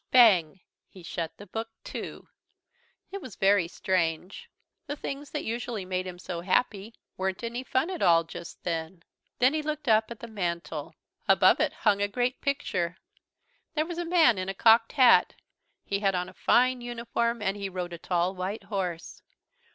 Bang! he shut the book too. It was very strange. The things that usually made him so happy weren't any fun at all just then. Then he looked up at the mantel. Above it hung a great picture. There was a man in a cocked hat. He had on a fine uniform and he rode a tall white horse.